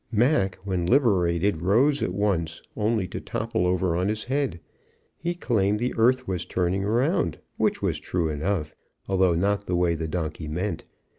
Mac, when liberated, rose at once, only to topple over on his head. He claimed the earth was turning around, which was true enough, although not the way the donkey meant.